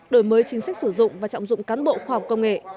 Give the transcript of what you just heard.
đổi mới chính sách sử dụng và trọng dụng cán bộ khoa học công nghệ